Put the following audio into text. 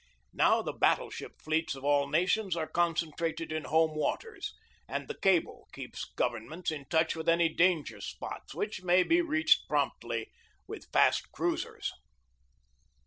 Now the battle ship fleets of all nations are concen trated in home waters, and the cable keeps govern ments in touch with any danger spots, which may be reached promptly with fast cruisers.